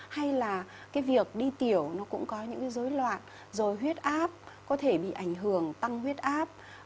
hay là cái việc đi tiểu nó cũng có những cái dối loạn rồi huyết áp có thể bị ảnh hưởng tăng huyết áp